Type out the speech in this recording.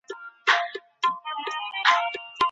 علمي مجله په ناڅاپي ډول نه انتقالیږي.